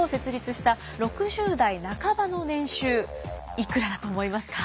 いくらだと思いますか？